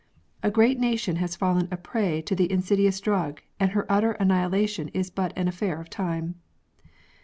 A great nation has fallen a prey to the in sidious drug, and her utter annihilation is but an affair of time